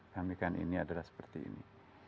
kami kan ini adalah seperti ini